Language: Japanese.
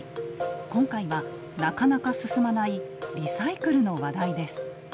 今回はなかなか進まないリサイクルの話題です。